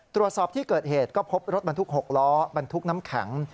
ตรวจสอบที่เกิดเหตุก็พบรถบรรทุก๖ล้อบรรทุกน้ำแข็ง